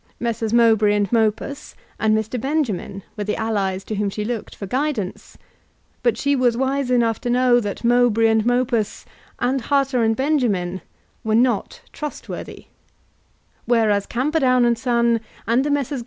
Messrs. Mowbray and Mopus and Mr. Benjamin were the allies to whom she looked for guidance; but she was wise enough to know that Mowbray and Mopus, and Harter and Benjamin were not trustworthy, whereas Camperdown and Son and the Messrs.